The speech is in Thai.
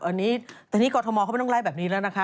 อันนี้ตอนนี้กรทมเขาไม่ต้องไล่แบบนี้แล้วนะคะ